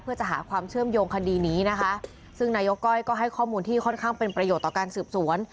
เพื่อจะหาความเชื่อมโยงคดีนี้นะคะซึ่งนายกก้อยก็ให้ข้อมูลที่ค่อนข้างเป็นประโยชน์ต่อการสืบสวน